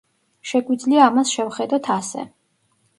შეგვიძლია ამას შევხედოთ ასე.